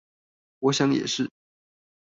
我想也是